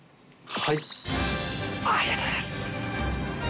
はい。